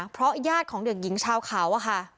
เพราะญาติของเด็กหญิงชาวเขาอะค่ะ